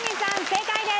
正解です。